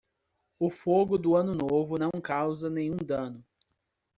O fogo do Ano Novo não causa nenhum dano.